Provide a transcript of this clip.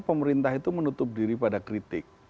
pemerintah itu menutup diri pada kritik